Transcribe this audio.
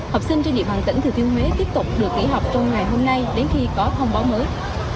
học sinh trên địa bàn tỉnh thừa thiên huế tiếp tục được nghỉ học trong ngày hôm nay đến khi có thông báo mới